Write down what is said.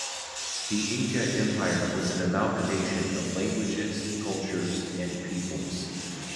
The Inca Empire was an amalgamation of languages, cultures and peoples.